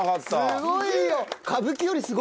すごいよ！